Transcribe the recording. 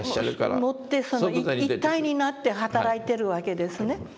持って一体になって働いてるわけですね。